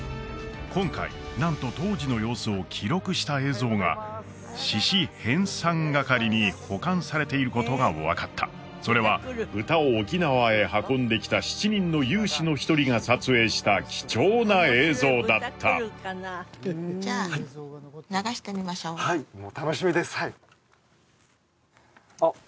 今回なんと当時の様子を記録した映像が市史編さん係に保管されていることが分かったそれは豚を沖縄へ運んできた７人の勇士の一人が撮影した貴重な映像だったじゃあ